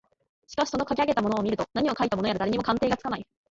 しかしそのかき上げたものを見ると何をかいたものやら誰にも鑑定がつかない